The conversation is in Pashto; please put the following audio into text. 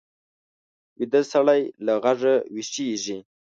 ویده سړی له غږه ویښېږي